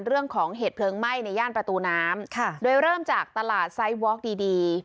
เรื่องของเหตุเพลิงไหม้ในย่านประตูน้ำค่ะโดยเริ่มจากตลาดไซส์วอล์ดีดี